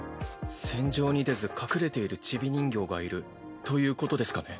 戦場に出ず隠れているチビ人形がいるということですかね。